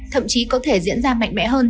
thậm chí có thể diễn ra mạnh mẽ hơn